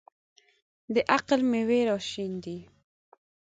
د عقل مېوې راشنېدې.